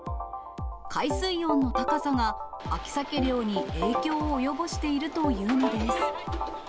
海水温の高さが、秋サケ漁に影響を及ぼしているというのです。